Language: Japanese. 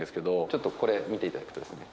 ちょっとこれ見ていただくとですね